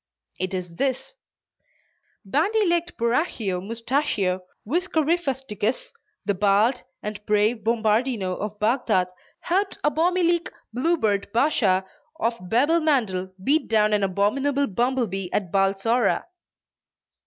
It is this: "Bandy legged Borachio Mustachio Whiskerifusticus, the bald and brave Bombardino of Bagdad, helped Abomilique Bluebeard Bashaw of Babelmandel beat down an abominable bumblebee at Balsora."